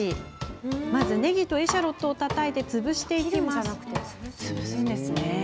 まず、ねぎとエシャロットをたたいて潰します。